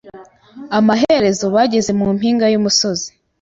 Amaherezo, bageze mu mpinga y'umusozi.